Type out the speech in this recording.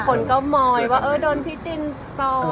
คนก็มอยว่าโดนพิจินซ้อม